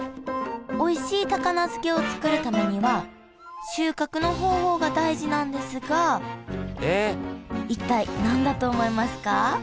おいしい高菜漬けを作るためには収穫の方法が大事なんですが一体何だと思いますか？